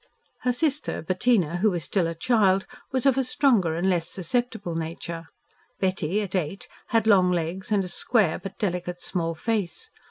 Her sister Bettina, who was still a child, was of a stronger and less susceptible nature. Betty at eight had long legs and a square but delicate small face.